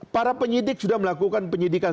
para penyidik sudah melakukan penyidikan